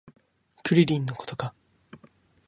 クリリンのことか